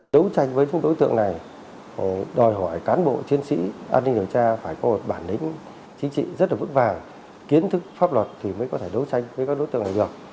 đấu tranh với chúng đối tượng này đòi hỏi cán bộ chiến sĩ an ninh điều tra phải có một bản lĩnh chính trị rất là vững vàng kiến thức pháp luật thì mới có thể đấu tranh với các đối tượng này được